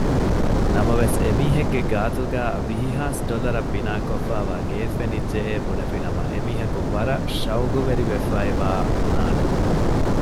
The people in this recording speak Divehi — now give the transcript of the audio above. ނަމަވެސް އެމީހެއްގެ ގާތުގައި ވިހިހާސް ޑޮލަރަށް ބިނާކޮށްފައިވާ ގެއެއް ފެނިއްޖެއޭ ބުނެފިނަމަ އެމީހަކު ވަރަށް ޝައުގުވެރިވެފައިވާ ބުނާނެ